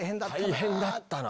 大変だったな